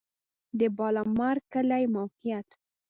د بالامرګ کلی موقعیت